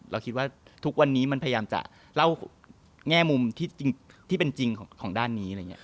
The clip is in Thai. เราคิดว่าทุกวันนี้มันพยายามจะเล่าแง่มุมที่เป็นจริงของด้านนี้อะไรอย่างนี้